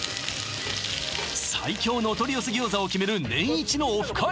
最強のお取り寄せ餃子を決める年イチのオフ会！